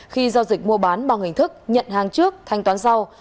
khi giao dịch mua bán bằng hình thức nhận hàng trước thanh toán giao